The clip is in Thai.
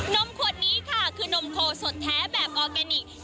มขวดนี้ค่ะคือนมโคสดแท้แบบออร์แกนิค